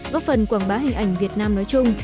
góp phần quảng bá hình ảnh việt nam nói chung